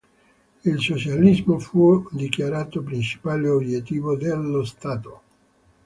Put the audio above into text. Il socialismo fu dichiarato principale obiettivo dello stato.